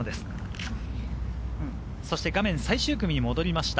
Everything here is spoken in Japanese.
そして画面は最終組に戻りました。